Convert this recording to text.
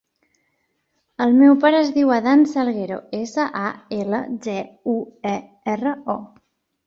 El meu pare es diu Adán Salguero: essa, a, ela, ge, u, e, erra, o.